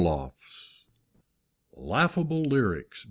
6 LAUGHABLE LYRICS.